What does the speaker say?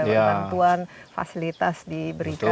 tentuan fasilitas diberikan